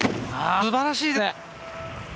すばらしい！